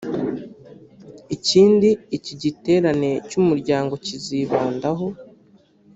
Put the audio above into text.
Ikindi iki giterane cy’umuryango kizibandaho